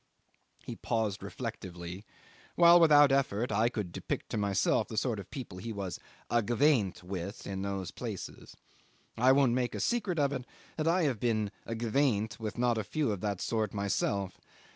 ." He paused reflectively, while without effort I could depict to myself the sort of people he was "aguaindt" with in those places. I won't make a secret of it that I had been "aguaindt" with not a few of that sort myself.